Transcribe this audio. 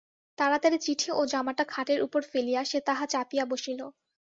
তাড়াতাড়ি চিঠি ও জামাটা খাটের উপর ফেলিয়া সে তাহা চাপিয়া বসিল।